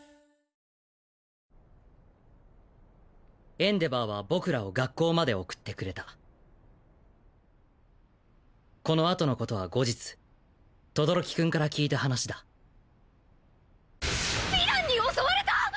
エンデヴァーは僕らを学校まで送ってくれたこの後の事は後日轟くんから聞いた話だヴィランに襲われた！？